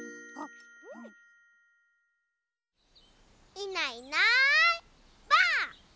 いないいないばあっ！